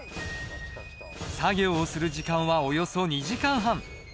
作業をする時間はおよそ２時間半。